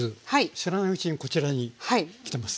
知らないうちにこちらに来てます。